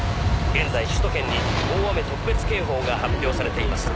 「現在首都圏に大雨特別警報が発表されています」